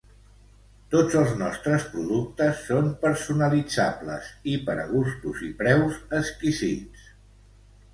Tots els nostres productes són personalitzables i per a gustos i preus exquisits.